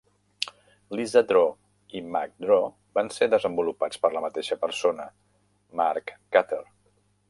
LisaDraw i MacDraw van ser desenvolupats per la mateixa persona, Mark Cutter.